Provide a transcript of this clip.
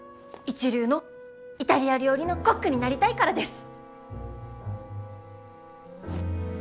一流のイタリア料理のコックになりたいからです！